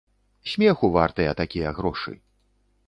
Смеху вартыя такія грошы.